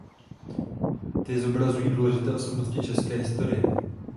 Ty zobrazují důležité osobnosti české historie.